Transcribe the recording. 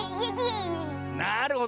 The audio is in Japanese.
なるほど。